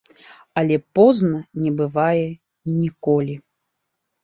Але позна не бывае ніколі.